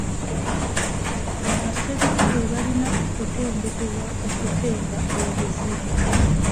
Abaserikale balina okutendekebwa okukenga obuzibu.